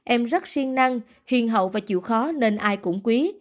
em rất siêng năng hiền hậu và chịu khó nên ai cũng quý